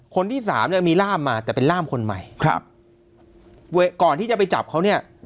คนที่สามเนี้ยมีร่ามมาแต่เป็นล่ามคนใหม่ครับก่อนที่จะไปจับเขาเนี่ย